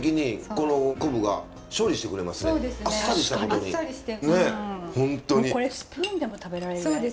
これスプーンでも食べられるぐらい。